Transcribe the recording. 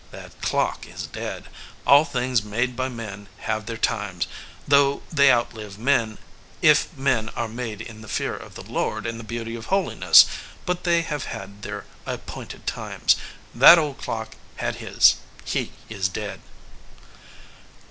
That clock is dead. All things made by men have their times, though they outlive men, if men are made in the fear of the Lord and the beauty of holiness; but they have their ap 66 THE VOICE OF THE CLOCK pointed times. That old clock had his. He is dead."